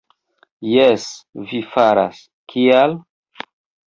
Jes, vi faras; kial?